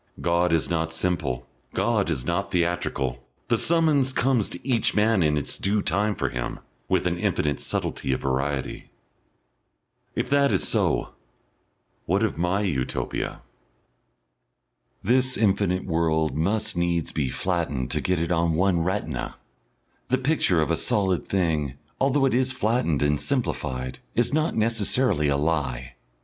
God is not simple, God is not theatrical, the summons comes to each man in its due time for him, with an infinite subtlety of variety.... If that is so, what of my Utopia? This infinite world must needs be flattened to get it on one retina. The picture of a solid thing, although it is flattened and simplified, is not necessarily a lie.